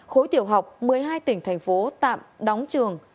khối tiểu học một mươi hai tỉnh thành phố tạm đóng trường